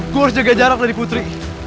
gue harus jaga jarak dari putri